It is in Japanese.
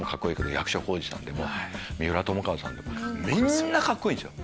役所広司さんも三浦友和さんもみんなカッコいいんですよ。